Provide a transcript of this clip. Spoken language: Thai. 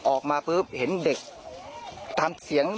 ออกมาเห็นเด็กทำเสียง